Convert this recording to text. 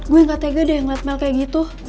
gue gak tega deh ngeliat mel kayak gitu